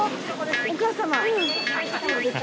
お母様。